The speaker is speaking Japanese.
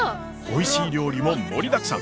おいしい料理も盛りだくさん！